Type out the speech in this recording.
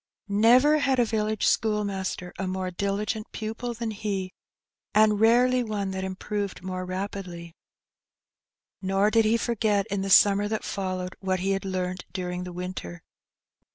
Never had a village school master a more diligent pupil than he, and rarely one that improved moi'e rapidly. Nor did he forget in the summer that followed what he had learnt during the winter.